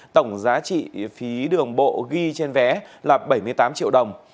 tổng giá trị phí đường bộ ghi trên vé là bảy mươi tám triệu đồng